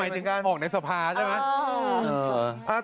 มาจึงออกในสภาใช่มะ